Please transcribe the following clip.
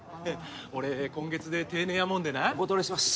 俺今月で定年やもんでなお断りします